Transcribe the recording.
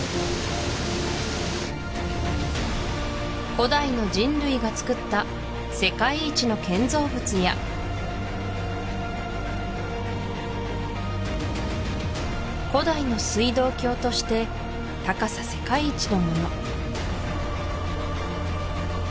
古代の人類がつくった世界一の建造物や古代の水道橋として高さ世界一のもの